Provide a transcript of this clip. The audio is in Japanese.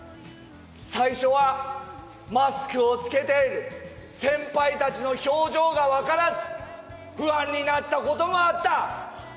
最初はマスクを着けて先輩たちの表情が分からず不安になったこともあった。